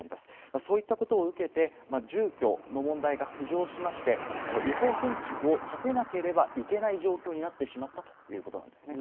それを受けて住居の問題が浮上しまして違法建築を建てなければいけない状況になってしまったということです。